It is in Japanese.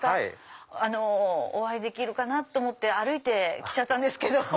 あのお会いできるかなと思って歩いて来ちゃったんですけど。